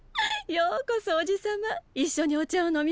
ようこそおじ様いっしょにお茶を飲みましょ。